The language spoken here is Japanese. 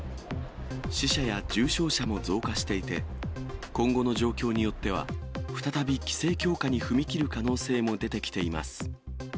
死者や重症者も増加していて、今後の状況によっては、再び規制強化に踏み切る可能性も出てきています。